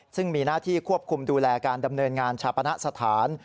ซึ่งมีหน้าที่ควบคุมดูแลการดำเนินงานชาปณะสถาน